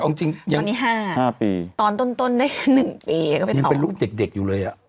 นี้๕ปีต้องไปต่อนะ